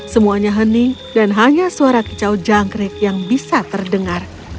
semuanya hening dan hanya suara kicau jangkrik yang bisa terdengar